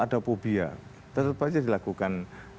ada phobia tentu saja dilakukan